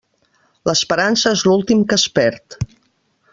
L'esperança és l'últim que es perd.